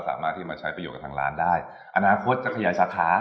สามารถที่มาใช้ประโยชนกับทางร้านได้อนาคตจะขยายสาขา